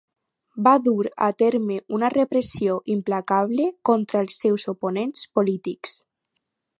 Va dur a terme una repressió implacable contra els seus oponents polítics.